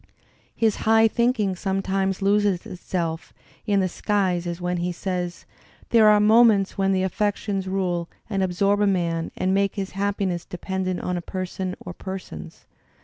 His high thinking sometimes loses itself in the skies as when he says: "There are moments when the affections rule and absorb a man and make his happiness dependent on a person or persons.